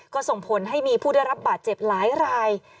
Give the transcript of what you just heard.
ก็ส่งผลให้มีผู้ได้รับบาดเจ็บหลายราย